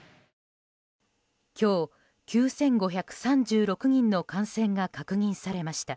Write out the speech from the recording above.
今日、９５３６人の感染が確認されました。